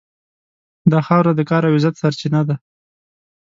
دا خاوره د کار او عزت سرچینه ده.